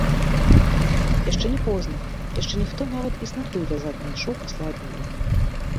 Яшчэ не позна, яшчэ ніхто нават і снапы вязаць не ішоў пасля абеду.